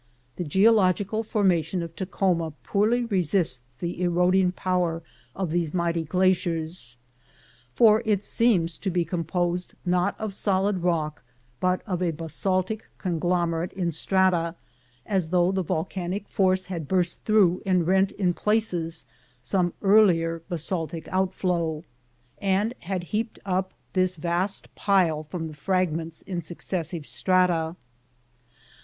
The geological formation of Takhoma poorly resists the eroding power of these mighty glaciers, for it seems to be composed not of solid rock, but of a basaltic con [lomerate in strata, as though the volcanic force had ►urst through and rent in pieces some earlier basaltic outflow, and had heaped up this vast pile from the fragments in successive strata.